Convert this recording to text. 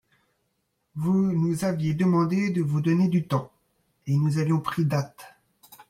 Vous nous aviez demandé de vous donner du temps, et nous avions pris date.